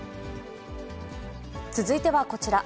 続いてはこちら。